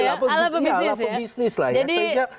ala pebisnis lah ya